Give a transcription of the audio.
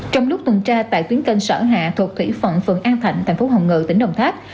trong lúc tuần tra tại tuyến kênh sở hạ thuộc thủy phận phường an thạnh thành phố hồng ngự tỉnh đồng tháp